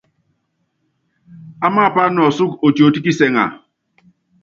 Amaapa nɔ ɔsúkɔ otiotó kisɛŋa ?